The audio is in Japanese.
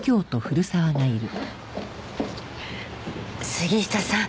杉下さん